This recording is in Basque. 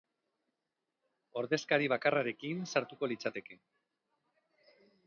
Ordezkari bakarrarekin sartuko litzateke.